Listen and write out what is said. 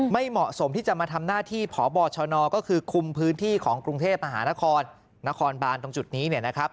ไม่เหมาะสมที่จะมาทำหน้าที่พบชนก็คือคุมพื้นที่ของกรุงเทพมหานครนครบานตรงจุดนี้เนี่ยนะครับ